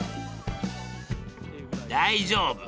大丈夫。